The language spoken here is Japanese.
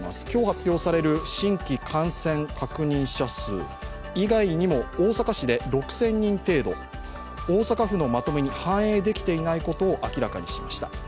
今日発表される新規感染確認者数以外にも大阪市で６０００人程度、大阪府のまとめに反映できていないことを明らかにしました。